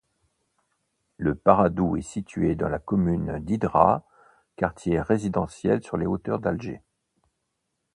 Le Paradou est situé dans la Commune d’Hydra, quartier résidentiel sur les hauteurs d’Alger.